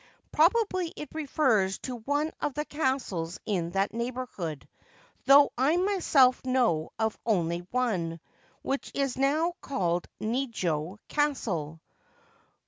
Probably it refers to one of the castles in that neighbourhood, though I myself know of only one, which is now called Nijo Castle.